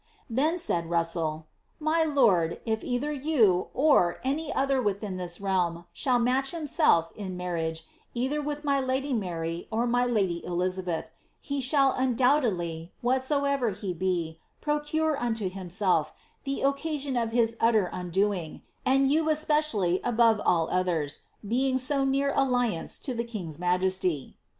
Then said Russell, ^ My lord, if either you, or, any other within this realm shall match himself, in marriage, either with my lady Mary or my lady Elizabeth, he shall undoubtedly, whatsoever he be, procure unto himself the occasion of his utter undoing, and you especially, above all others, being of so near alliance to the king's majesty."